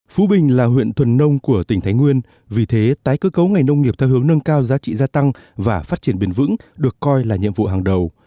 phú bình là huyện thuần nông của tỉnh thái nguyên vì thế tái cơ cấu ngành nông nghiệp theo hướng nâng cao giá trị gia tăng và phát triển bền vững được coi là nhiệm vụ hàng đầu